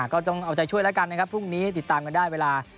ก็ต้องเอาใจช่วยแล้วกันนะครับพรุ่งนี้ติดตามกันได้เวลา